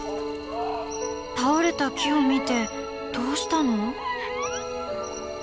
「倒れた木を見てどうしたの？」。